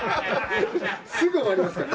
すぐ終わりますから。